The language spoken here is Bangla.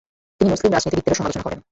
তিনি মুসলিম রাজনীতিবিদদেরও সমালোচনা করেন।